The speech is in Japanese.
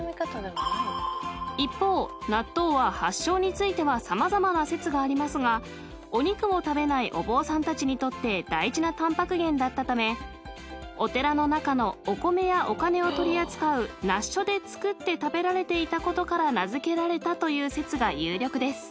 ［一方納豆は発祥については様々な説がありますがお肉を食べないお坊さんたちにとって大事なタンパク源だったためお寺の中のお米やお金を取り扱う納所で作って食べられていたことから名付けられたという説が有力です］